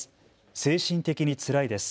精神的につらいです。